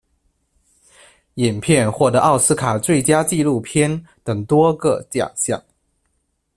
影片获得奥斯卡最佳纪录片等多个奖项。